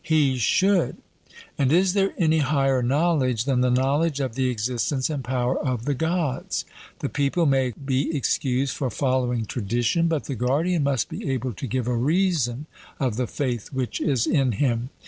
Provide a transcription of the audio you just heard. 'He should.' And is there any higher knowledge than the knowledge of the existence and power of the Gods? The people may be excused for following tradition; but the guardian must be able to give a reason of the faith which is in him.